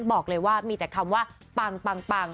บอกเลยว่ามีแต่คำว่าปัง